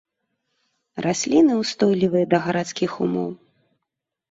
Расліны ўстойлівыя да гарадскіх умоў.